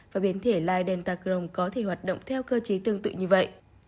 và biến thể lai dantacron có thể hoạt động theo cơ chế tương tự như vậy